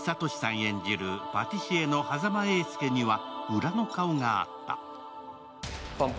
演じるパティシエの波佐間永介には裏の顔があった。